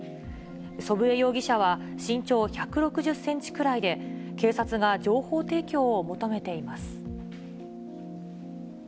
祖父江容疑者は、身長１６０センチくらいで、警察が情報提供を求めています。